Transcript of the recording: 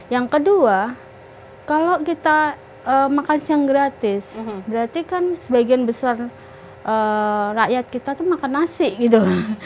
yang kedua kalau kita makan siang gratis berarti kan sebagian besar rakyat kita tuh makan nasi gitu